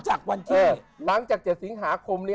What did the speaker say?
หลังจาก๗สิงหาคม